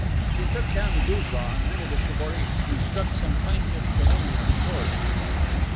She took down the guzla and handed it to Boris, who struck some plaintive preliminary chords.